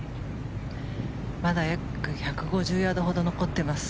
まだ約１５０ヤードほど残っています。